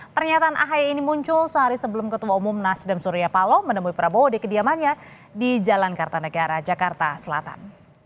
pernyataan ahy ini muncul sehari sebelum ketua umum nasdem surya paloh menemui prabowo di kediamannya di jalan kartanegara jakarta selatan